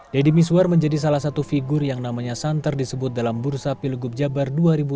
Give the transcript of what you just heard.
deddy miswar menjadi salah satu figur yang namanya santer disebut dalam bursa pilgub jabar dua ribu delapan belas